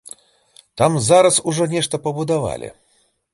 Там зараз ужо нешта пабудавалі.